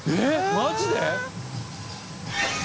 マジで？